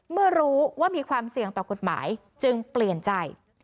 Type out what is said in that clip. เมื่อรู้ว่ามีความเสี่ยงต่อกฎหมายจึงเปลี่ยนใจ